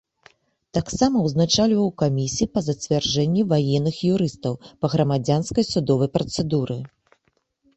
Таксама ўзначальваў камісіі па зацвярджэнні ваенных юрыстаў і па грамадзянскай судовай працэдуры.